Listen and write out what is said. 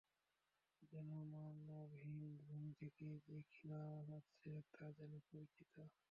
জনমানবহীন ভূমি থেকে যে ক্ষীণ আওয়াজ আসছে তা যেন পরিচিত।